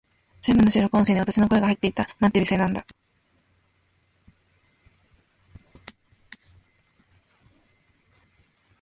全部の収録音声に、私の声が入っていた。なんて美声なんだ。